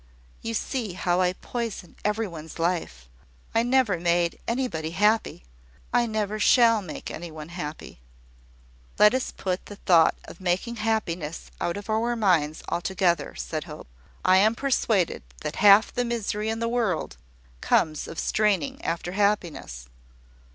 You see how I poison every one's life. I never made anybody happy! I never shall make anyone happy!" "Let us put the thought of making happiness out of our minds altogether," said Hope. "I am persuaded that half the misery in the world comes of straining after happiness."